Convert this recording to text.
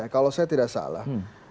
kalau saya tidak salah